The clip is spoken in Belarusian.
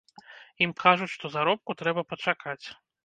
Ім кажуць, што заробку трэба пачакаць.